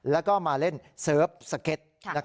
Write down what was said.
แล้วก็มาเล่นเซิร์ฟสเก็ต